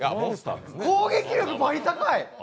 攻撃力バリ高い。